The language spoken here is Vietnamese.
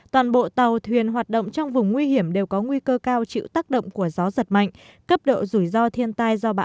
toàn bộ tàu thuyền hoạt động trong vùng nguy hiểm đều có nguy cơ cao chịu tác động của gió giật mạnh cấp độ rủi ro thiên tai do bão cấp ba